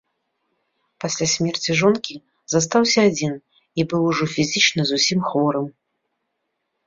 Пасля смерці жонкі, застаўся адзін і быў ўжо фізічна зусім хворым.